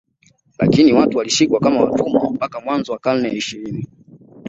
Lakini watu walishikwa kama watumwa mpaka mwanzo wa karne ya ishirini